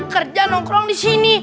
kerja nongkrong di sini